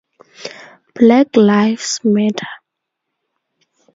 Black lives matter.